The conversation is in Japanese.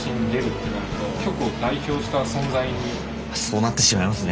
そうなってしまいますね